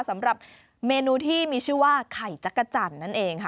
สำหรับเมนูที่มีชื่อว่าไข่จักรจันทร์นั่นเองค่ะ